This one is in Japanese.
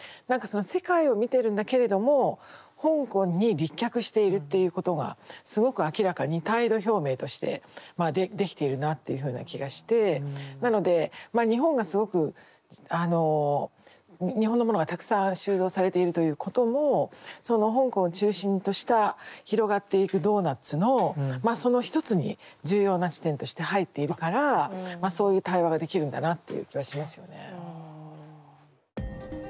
何かその世界を見てるんだけれども香港に立脚しているっていうことがすごく明らかに態度表明としてまあできているなあっていうふうな気がしてなのでまあ日本がすごく日本のものがたくさん収蔵されているということもその香港を中心とした広がっていくドーナツのその一つに重要な地点として入っているからそういう対話ができるんだなっていう気はしますよね。